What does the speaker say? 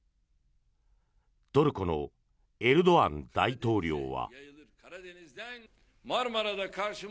トルコのエルドアン大統領は。